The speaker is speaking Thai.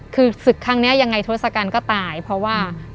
คือศึกครั้งนี้ยังไงทศกัณฐ์ก็ตายเพราะว่า